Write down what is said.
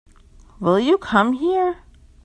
Will you come here?